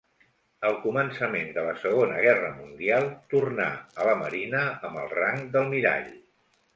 Al començament de la Segona Guerra Mundial tornà a la Marina amb el rang d'almirall.